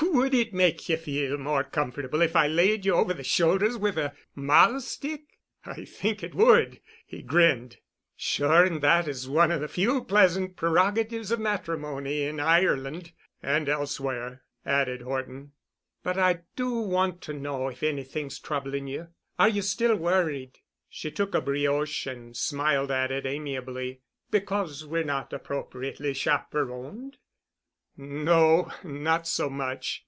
"Would it make you feel more comfortable if I laid you over the shoulders with a mahl stick?" "I think it would," he grinned. "Sure and that is one of the few pleasant prerogatives of matrimony—in Ireland." "And elsewhere——" added Horton. "But I do want to know if anything's troubling you. Are you still worried——" she took a brioche and smiled at it amiably, "because we're not appropriately chaperoned?" "No—not so much.